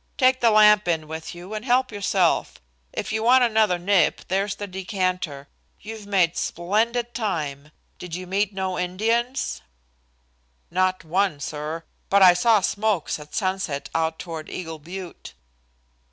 Take the lamp in with you and help yourself. If you want another nip, there's the decanter. You've made splendid time. Did you meet no Indians?" "Not one, sir, but I saw smokes at sunset out toward Eagle Butte."